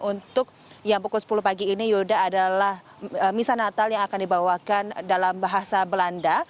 untuk yang pukul sepuluh pagi ini yuda adalah misa natal yang akan dibawakan dalam bahasa belanda